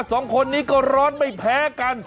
สองคนนี้ก็ร้อนไม่แพ้กัน